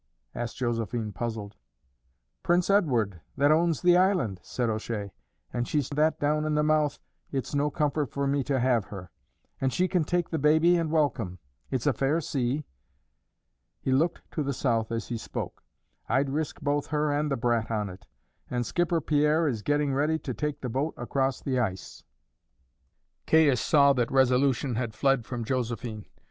asked Josephine, puzzled. "Prince Edward, that owns the island," said O'Shea. "And she's that down in the mouth, it's no comfort for me to have her; and she can take the baby and welcome. It's a fair sea." He looked to the south as he spoke. "I'd risk both her and the brat on it; and Skipper Pierre is getting ready to take the boat across the ice." Caius saw that resolution had fled from Josephine.